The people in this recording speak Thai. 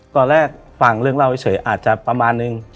ตอนแรกฟังเรื่องเล่าเฉยอาจจะประมาณนึง